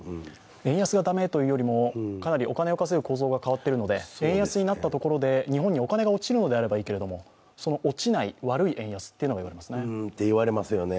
円安が駄目というよりも、かなりお金を稼ぐ構造が変わっているので、円安になったところで、日本にお金が落ちるのであればいいのだけれど、その落ちない、悪い円安というのがありますね。